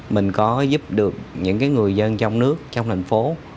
mình có giúp được những người dân trong nước trong thành phố